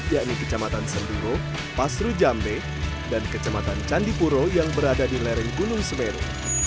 yakni kecamatan senduro pasru jambe dan kecamatan candipuro yang berada di lereng gunung semeru